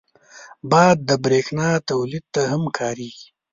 باد د بریښنا تولید ته هم کارېږي